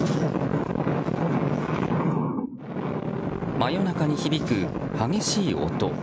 真夜中に響く激しい音。